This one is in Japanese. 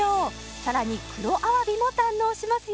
さらに黒アワビも堪能しますよ